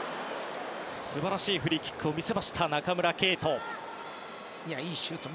素晴らしいフリーキックを見せた中村敬斗。